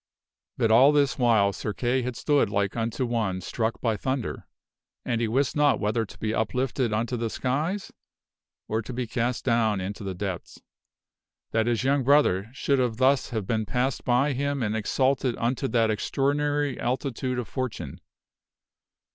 But all this while Sir Kay had stood like unto one struck by thunder, and he wist not whether to be uplifted unto the skies or to be cast down into the depths, that his young brother should thus have been passed by him and exalted unto that extraordinary altitude of fortune.